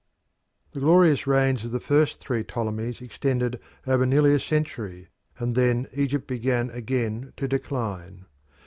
The glorious reigns of the three first Ptolemies extended over nearly a century, and then Egypt began again to decline.